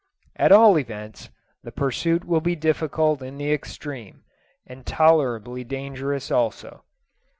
At all events, the pursuit will be difficult in the extreme, and tolerably dangerous also.